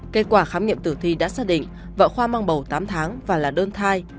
kết quả khám nghiệm tử thi đã xác định vợ khoa mang bầu tám tháng và là đơn thai